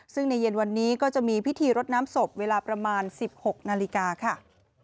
ซึ่งในเย็นวันนี้ก็จะมีพิธีรดน้ำศพเวลาประมาณ๑๖นาฬิกาค่ะ